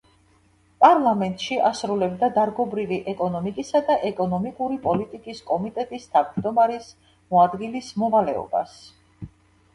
პარლამენტში ასრულებდა დარგობრივი ეკონომიკისა და ეკონომიკური პოლიტიკის კომიტეტის თავმჯდომარის მოადგილის მოვალეობას.